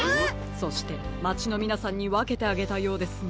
そしてまちのみなさんにわけてあげたようですね。